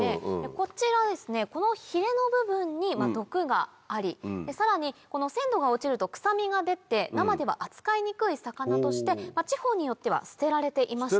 こちらこのヒレの部分に毒がありさらに鮮度が落ちると臭みが出て生では扱いにくい魚として地方によっては捨てられていました。